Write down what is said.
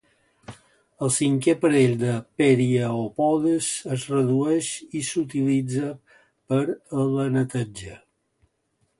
El cinquè parell de pereiopodes es redueix i s'utilitza per a la neteja.